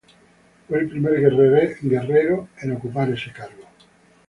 Fue el primer guerrerense en ocupar este cargo.